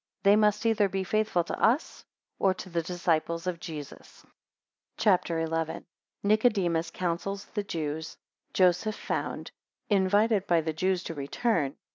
They must either be faithful to us or to the disciples of Jesus. CHAPTER XI. 1 Nicodemus counsels the Jews. 6 Joseph found. 11 Invited by the Jews to return.